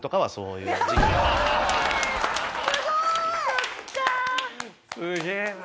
すげえな。